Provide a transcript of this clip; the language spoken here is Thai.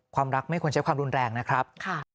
ความรักไม่ควรใช้ความรุนแรงนะครับ